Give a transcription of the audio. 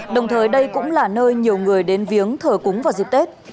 đồng thời đây cũng là nơi nhiều người đến viếng thờ cúng vào dịp tết